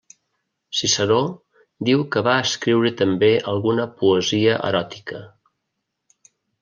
Ciceró diu que va escriure també alguna poesia eròtica.